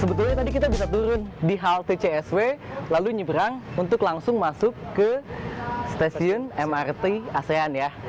sebetulnya tadi kita bisa turun di halte csw lalu nyeberang untuk langsung masuk ke stasiun mrt asean ya